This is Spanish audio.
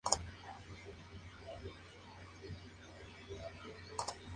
Tolstói sirvió como comandante de infantería en la Guerra de Crimea.